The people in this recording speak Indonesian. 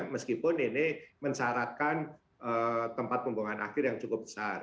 meskipun ini mencaratkan tempat pembuangan air yang cukup besar